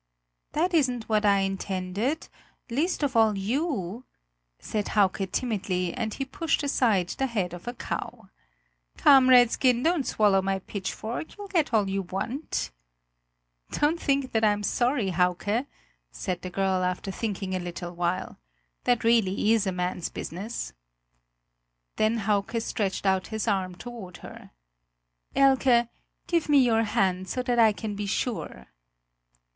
"That isn't what I intended least of all you!" said Hauke timidly, and he pushed aside the head of a cow. "Come, Redskin, don't swallow my pitchfork, you'll get all you want!" "Don't think that I'm sorry, Hauke;" said the girl after thinking a little while; "that really is a man's business." Then Hauke stretched out his arm toward her. "Elke, give me your hand, so that I can be sure."